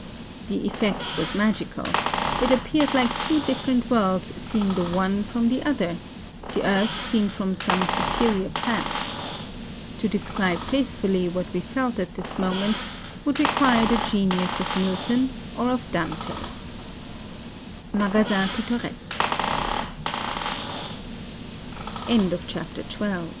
The effect was magical: it appeared like two different worlds seen the one from the other,— the earth seen from some superior planet. To describe faithfully what we felt at this moment would require the genius of Milton or of